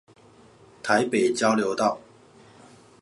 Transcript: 臺北交流道